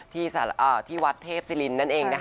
ที่วัดเทพศิรินนั่นเอง